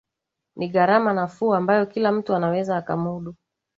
Ni gharama nafuu ambayo kila mtu anaweza akamudu